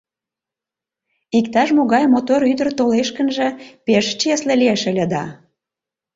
Иктаж-могай мотор ӱдыр толеш гынже, пеш чесле лиеш ыле да...